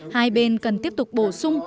hai bên cần tiếp tục bổ sung